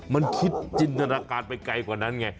มันคิดจินตนาการไปไกลกว่านั้นไง